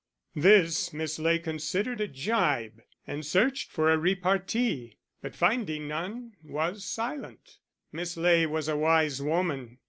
This Miss Ley considered a gibe, and searched for a repartee, but finding none was silent: Miss Ley was a wise woman!